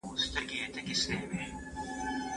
موږ له ډاره ماڼۍ نه وه ړنګه کړې.